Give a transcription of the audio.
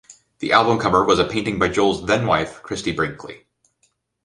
The album cover was a painting by Joel's then-wife, Christie Brinkley.